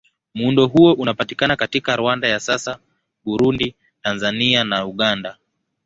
Muundo huo unapatikana katika Rwanda ya sasa, Burundi, Tanzania na Uganda.